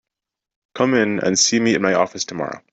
Come in and see me in my office tomorrow.